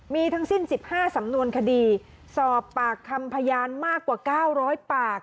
มีทั้งสิ้น๑๕สำนวนคดีสอบปากคำพยานมากกว่า๙๐๐ปาก